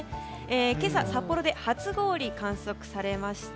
今朝、札幌で初氷観測されました。